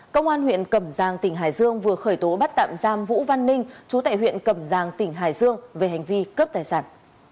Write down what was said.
công an huyện cẩm giang tỉnh hải dương vừa khởi tố bắt tạm giam vũ văn ninh chú tại huyện cẩm giang tỉnh hải dương về hành vi cướp tài sản